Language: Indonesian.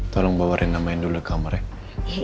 tolong bawa rena main dulu ke kamarnya